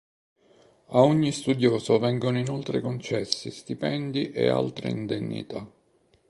A ogni studioso vengono inoltre concessi stipendi e altre indennità.